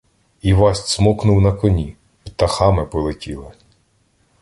Івась цмокнув на коні, — птахами полетіли.